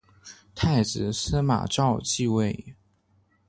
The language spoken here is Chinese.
太子司马绍即位。